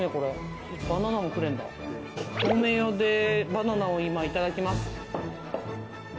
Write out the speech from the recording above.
ラーメン屋でバナナを今いただきます。